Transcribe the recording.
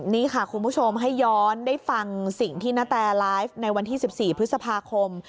นี่ค่ะคุณผู้ชมให้ย้อนได้ฟังสิ่งที่ณแตไลฟ์ในวันที่๑๔พฤษภาคม